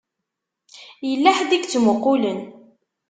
Yella ḥedd i yettmuqqulen.